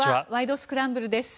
スクランブル」です。